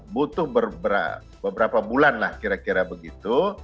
butuh beberapa bulan lah kira kira begitu